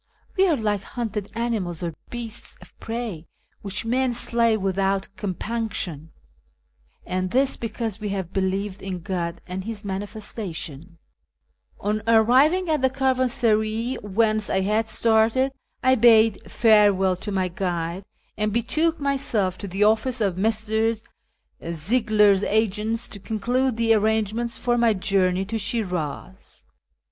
We are like hunted animals or beasts of prey, which men slay without compunction ; and this because we have believed in God and his Manifestation," On arriving at the caravansaray whence I had started, I bade farewell to my guide, and betook myself to the office of Messrs. Ziegler's agents to conclude the arrangements for my journey to Shiniz.